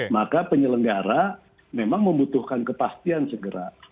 maka penyelenggara memang membutuhkan kepastian segera